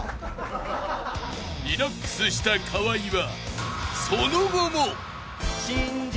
［リラックスした河合は］